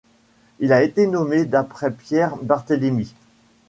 Il a été nommé d'après Pierre Barthélémy.